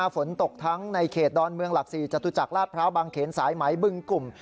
ฝนตกทั้งในเขตดอนเมืองหลัก๔จตุจักรลาดพร้าวบางเขนสายไหมบึงกลุ่ม